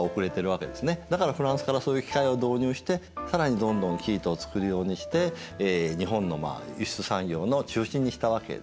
だからフランスからそういう機械を導入して更にどんどん生糸をつくるようにして日本の輸出産業の中心にしたわけですね。